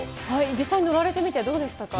実際乗られてみて、どうでしたか？